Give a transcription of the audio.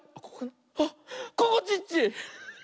あっここちっち！